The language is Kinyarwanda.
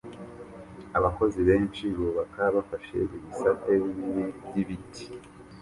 Abakozi benshi bubaka bafashe ibisate binini by'ibiti